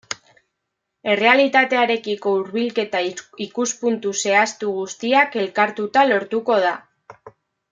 Errealitatearekiko hurbilketa ikuspuntu zehaztu guztiak elkartuta lortuko da.